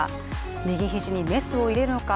右肘にメスを入れるのか。